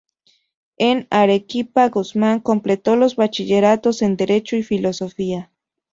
En Arequipa, Guzmán completó los bachilleratos en Derecho y Filosofía.